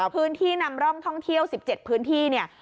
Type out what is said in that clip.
พื้นที่นำร่องท่องเที่ยว๑๗พื้นที่เนี่ย